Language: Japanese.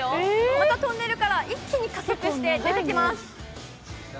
またトンネルから一気に加速して出てきます。